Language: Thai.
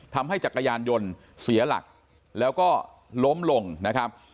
จักรยานยนต์เสียหลักแล้วก็ล้มลงนะครับ